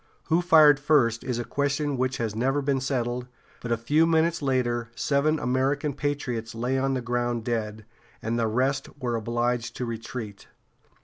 Who fired first is a question which has never been settled, but a few minutes later seven American patriots lay on the ground dead, and the rest were obliged to retreat.